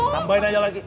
tambahin aja lagi